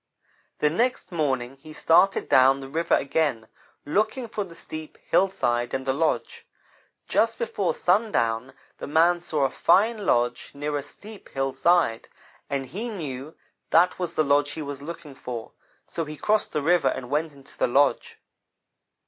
The next morning he started down the river again, looking for the steep hillside and the lodge. Just before sundown, the man saw a fine lodge near a steep hillside, and he knew that was the lodge he was looking for; so he crossed the river and went into the lodge.